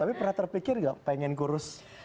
tapi pernah terpikir nggak pengen ngurus